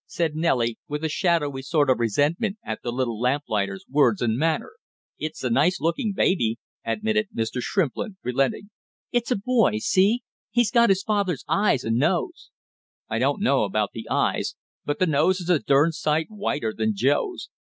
said Nellie, with a shadowy sort of resentment at the little lamplighter's words and manner. "It's a nice looking baby!" admitted Mr. Shrimplin, relenting. "It's a boy, see he's got his father's eyes and nose " "I don't know about the eyes, but the nose is a durn sight whiter than Joe's!